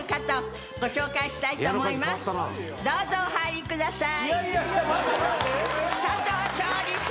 どうぞお入りください！